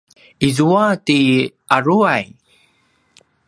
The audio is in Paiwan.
izua ti aruway?